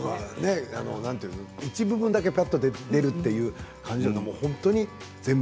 一部分だけぱっと出るという感じじゃなくて本当に全部。